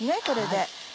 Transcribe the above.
これで。